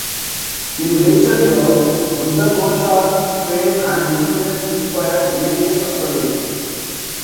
In later years, Buddhaghosa's fame and influence inspired various accolades.